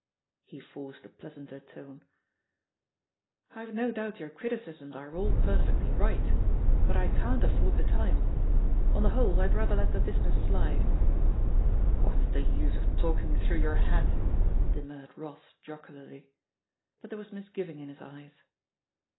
He forced a pleasanter tone. "I've no doubt your criticisms are all perfectly right. THE POSITION OF PEGGY HARPER ISB but I can't afford the time. On the whole, I'd rather let the business slide.'^ "What's the use of talking through your hat?'* demurred Ross jocularly. But there was mis giving in his eyes.